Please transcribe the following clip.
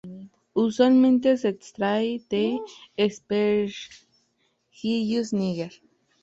Usualmente se extrae de "Aspergillus niger".